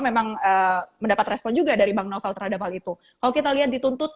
memang mendapat respon juga dari bank novel tersebut dan itu yang kita lihat di bawah ini adalah